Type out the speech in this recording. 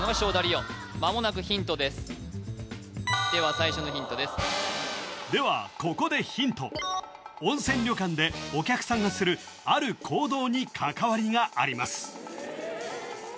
最初のヒントですではここでヒント温泉旅館でお客さんがするある行動に関わりがあります